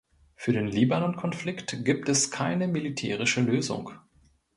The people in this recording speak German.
Für den Libanon-Konflikt gibt es keine militärische Lösung.